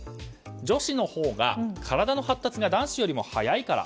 女子のほうが体の発達が男子よりも早いから。